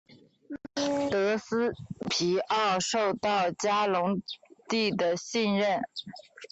德斯皮奥受到嘉隆帝的信任。